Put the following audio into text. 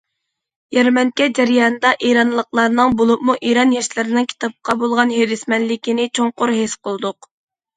يەرمەنكە جەريانىدا ئىرانلىقلارنىڭ، بولۇپمۇ ئىران ياشلىرىنىڭ كىتابقا بولغان ھېرىسمەنلىكىنى چوڭقۇر ھېس قىلدۇق.